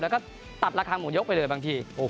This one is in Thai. แล้วก็ตัดละครั้งหมดยกไปเลยบางที